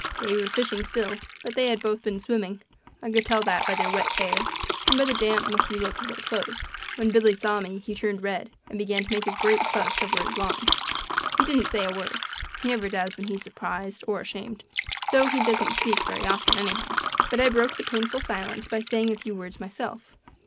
They were fishing still, but they had both been swimming I could tell that by their wet hair and by the damp, mussy look of their clothes. When Billy saw me he turned red and began to make a great fuss over his line. He didn't say a word; he never does when he's surprised or ashamed, so he doesn't speak very often, anyhow; but I broke the painful silence by saying a few words myself.